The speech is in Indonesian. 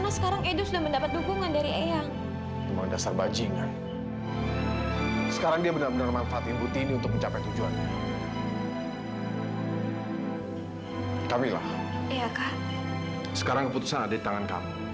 sekarang keputusan ada di tangan kami